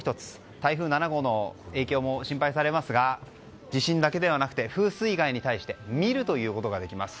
台風７号の影響も心配されますが地震だけではなくて風水害に対して見るということができます。